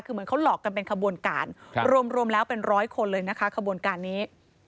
คือเหมือนเขาหลอกกันเป็นขบวนการรวมแล้วเป็นร้อยคนเลยนะคะขบวนการนี้